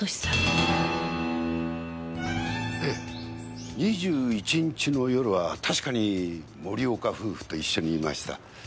ええ２１日の夜は確かに森岡夫婦と一緒にいました。